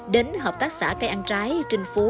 đến hợp tác xã cây an trái trinh phú